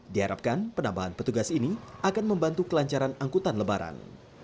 diharapkan penambahan petugas ini akan membantu kelancaran angkutan lebaran